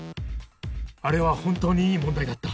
あれは本当にいい問題だった。